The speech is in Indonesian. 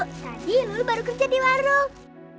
stadium lu baru kerja di warung